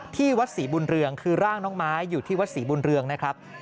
ที่วัดศรีบุญเรืองคือร่างน้องไม้อยู่ที่วัดศรีบุญเรืองนะครับ